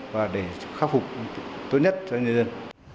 và để khắc phục tốt nhất cho nhân dân